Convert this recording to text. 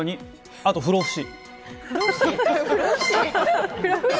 あと不老不死。